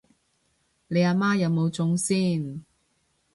你阿媽有冇中先？